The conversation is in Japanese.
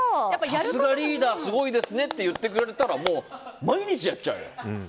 さすがリーダーすごいですねって言ってくれたらもう毎日やっちゃうよ。